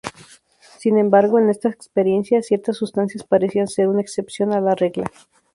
Sin embargo, en estas experiencias, ciertas sustancias parecían ser una excepción a la regla.